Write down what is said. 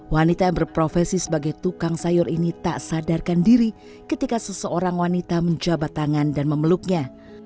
wanita yang berprofesi sebagai tukang sayur ini tak sadarkan diri ketika seseorang wanita menjabat tangan dan memeluknya